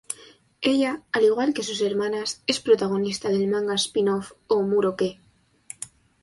Ella, al igual que sus hermanas, es protagonista del manga spin-off Oomuro-ke.